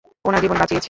ওনার জীবন বাঁচিয়েছি।